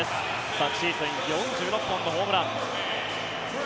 昨シーズン４６本のホームラン。